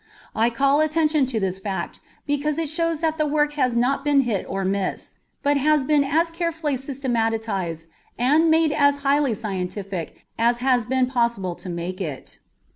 I call attention to this fact because it shows that the work has not been hit or miss, but has been as carefully systematized and made as highly scientific as it has been possible to make it.